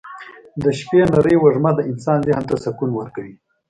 د شپې نرۍ وږمه د انسان ذهن ته سکون ورکوي.